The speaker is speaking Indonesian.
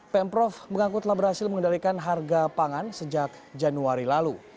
pemprov mengaku telah berhasil mengendalikan harga pangan sejak januari lalu